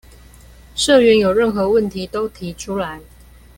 社員有任何問題都提出來